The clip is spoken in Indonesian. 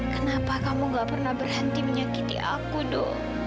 kenapa kamu gak pernah berhenti menyakiti aku dong